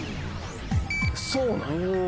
そうなんや。